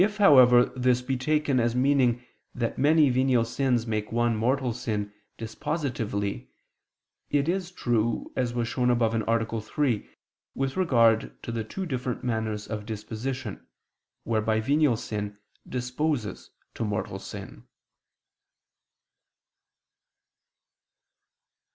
If, however, this be taken as meaning that many venial sins make one mortal sin dispositively, it is true, as was shown above (A. 3) with regard to the two different manners of disposition, whereby venial sin disposes to mortal sin.